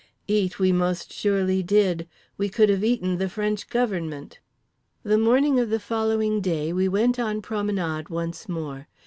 Eat we most surely did. We could have eaten the French Government. The morning of the following day we went on promenade once more.